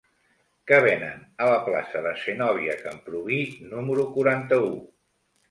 Què venen a la plaça de Zenòbia Camprubí número quaranta-u?